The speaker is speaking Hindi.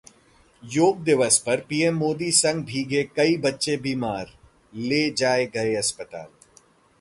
योग दिवस पर पीएम मोदी संग भीगे कई बच्चे बीमार, ले जाए गए अस्पताल